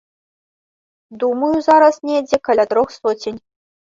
Думаю, зараз недзе каля трох соцень.